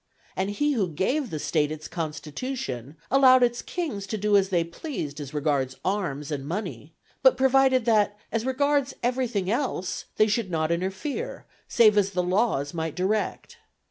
And he who gave this State its constitution allowed its kings to do as they pleased as regards arms and money; but provided that as regards everything else they should not interfere save as the laws might direct.